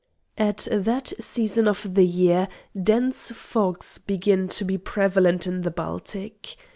At that season of the year dense fogs begin to be prevalent in the Baltic.